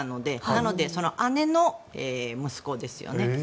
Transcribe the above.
なのでその姉の息子ですよね。